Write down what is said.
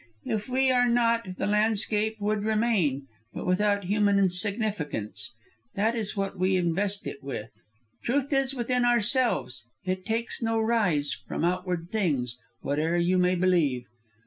If we were not, the landscape would remain, but without human significance. That is what we invest it with. "'Truth is within ourselves; it takes no rise From outward things, whate'er you may believe.'"